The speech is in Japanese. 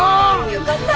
よかった。